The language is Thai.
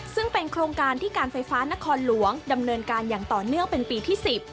ซึ่งเป็นโครงการที่การไฟฟ้านครหลวงดำเนินการอย่างต่อเนื่องเป็นปีที่๑๐